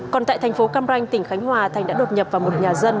còn tại thành phố cam ranh tỉnh khánh hòa thành đã đột nhập vào một nhà dân